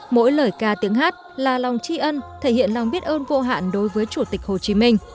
mỗi lời ca tiếng hát là lòng tri ân thể hiện lòng biết ơn vô hạn đối với chủ tịch hồ chí minh